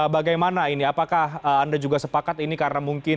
bagaimana ini apakah anda juga sepakat ini karena mungkin